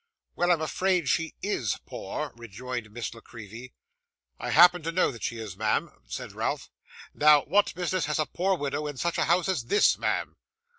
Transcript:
'Well, I'm afraid she IS poor,' rejoined Miss La Creevy. 'I happen to know that she is, ma'am,' said Ralph. 'Now, what business has a poor widow in such a house as this, ma'am?